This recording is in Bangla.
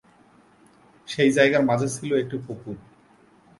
সেই জায়গার মাঝে ছিল একটি পুকুর।